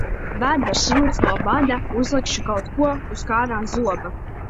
Vēders rūc no bada, uzlikšu kaut ko uz kārā zoba.